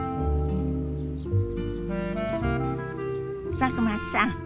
佐久間さん